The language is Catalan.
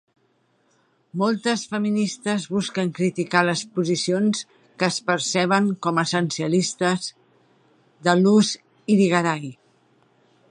Moltes feministes busquen criticar les posicions que es perceben com essencialistes de Luce Irigaray.